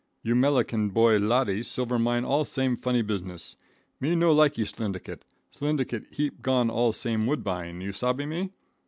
You Melican boy Laddee silver mine all same funny business. Me no likee slyndicate. Slyndicate heap gone all same woodbine. You sabbe me?